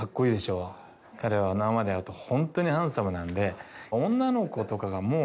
彼は生で会うとホントにハンサムなんで。